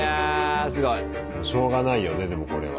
すごい。しょうがないよねでもこれは。